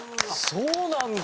そうなんだ！